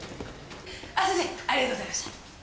あっ先生ありがとうございました。